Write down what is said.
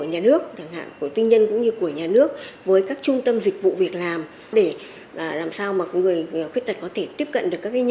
hội người khuyết tật tp hà nội